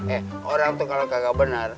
eh orang tuh kalau kagak benar